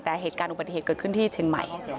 แต่เหตุการณ์อุบัติเหตุเกิดขึ้นที่เชียงใหม่